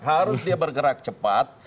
harus dia bergerak cepat